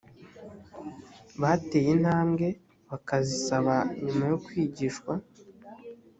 bateye intambwe bakazisaba nyuma yo kwigishwa